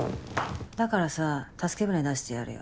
だからさ助け船出してやるよ。